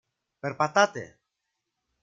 Περπατάτε!